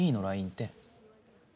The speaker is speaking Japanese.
ＬＩＮＥって。